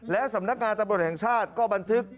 และสำนักงานตำรวจแห่งชาติก็บันทึก